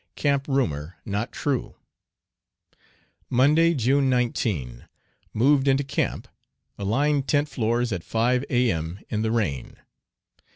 "Camp rumor" not true. Monday, June 19. Moved into camp, aligned tent floors at 5 A. M. in the rain.